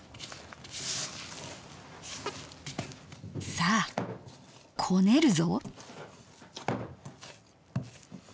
さあこねるぞ！